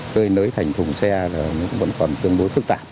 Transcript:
cái nơi nới thành thùng xe là vẫn còn tương đối thức tạp